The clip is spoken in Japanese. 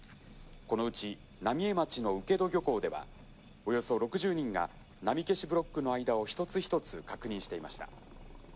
このうち浪江町の請戸漁港ではおよそ６０人が波消しブロックの間を一つ一つ確認していました。